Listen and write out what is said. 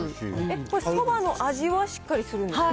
これ、そばの味はしっかりするんですか？